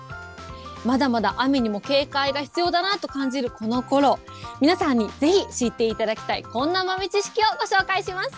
まだまだ雨にも警戒が必要だなと感じるこのころ、皆さんにぜひ知っていただきたい、こんな豆知識をご紹介します。